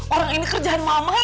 orang ini kerjaan mama